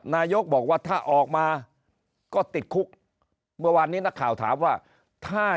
นายกบอกว่าถ้าออกมาก็ติดคุกเมื่อวานนี้นักข่าวถามว่าถ้า